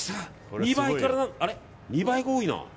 ２倍から２倍が多いな。